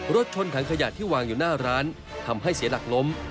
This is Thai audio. รถชนถังขยะที่วางอยู่หน้าร้านทำให้เสียหลักล้ม